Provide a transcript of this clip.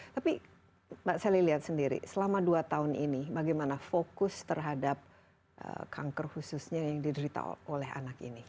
tapi mbak sally lihat sendiri selama dua tahun ini bagaimana fokus terhadap kanker khususnya yang diderita oleh anak ini